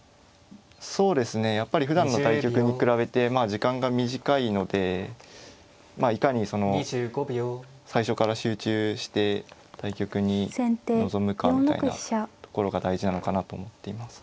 そうですねやっぱりふだんの対局に比べてまあ時間が短いのでいかにその最初から集中して対局に臨むかみたいなところが大事なのかなと思っています。